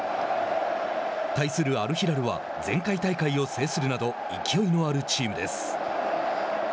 対するアルヒラルは前回大会を制するなど勢いのあるチームです。